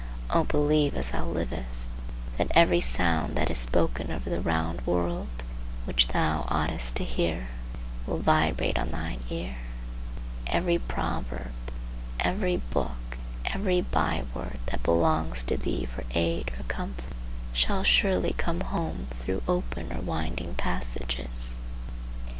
O, believe, as thou livest, that every sound that is spoken over the round world, which thou oughtest to hear, will vibrate on thine ear! Every proverb, every book, every byword that belongs to thee for aid or comfort, shall surely come home through open or winding passages.